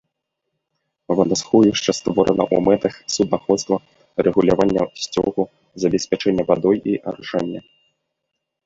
Вадасховішча створана ў мэтах суднаходства, рэгулявання сцёку, забеспячэння вадой і арашэння.